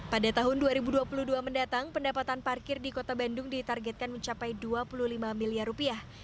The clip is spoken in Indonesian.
pada tahun dua ribu dua puluh dua mendatang pendapatan parkir di kota bandung ditargetkan mencapai dua puluh lima miliar rupiah